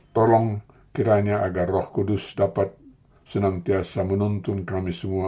tolong kiranya agar roh kudus dapat senantiasa menuntun kami semua